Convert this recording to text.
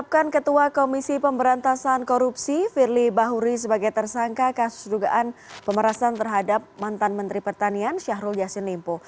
menetapkan ketua komisi pemberantasan korupsi firly bahuri sebagai tersangka kasus dugaan pemerasan terhadap mantan menteri pertanian syahrul yassin limpo